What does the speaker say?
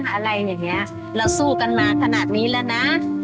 อะไรอย่างนี้เราสู้กันมาขนาดนี้แล้วนะ